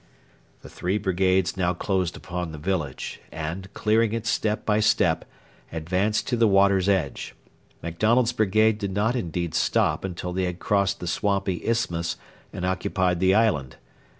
The three brigades now closed upon the village and, clearing it step by step, advanced to the water's edge. MacDonald's brigade did not indeed stop until they had crossed the swampy isthmus and occupied the island.